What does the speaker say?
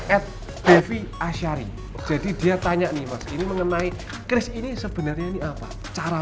at devi ashari jadi dia tanya nih mas ini mengenai chris ini sebenarnya ini apa cara